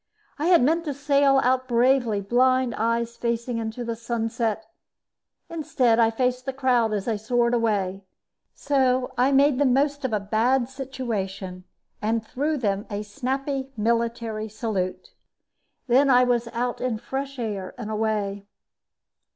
I had meant to sail out bravely, blind eyes facing into the sunset; instead, I faced the crowd as I soared away, so I made the most of a bad situation and threw them a snappy military salute. Then I was out in the fresh air and away.